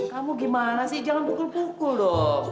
kamu gimana sih jangan pukul pukul dong